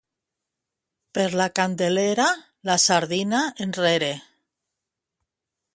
Per la Candelera, la sardina enrere.